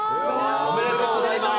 おめでとうございます。